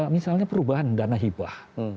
misalnya perubahan dana hibah